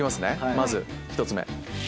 まず１つ目。